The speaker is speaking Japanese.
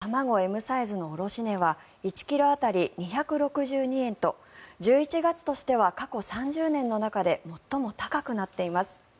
ただ今年１１月の卵Ｍサイズの卸値は１ｋｇ当たり２６２円と１１月としては過去３０年の中で最も高くなっています。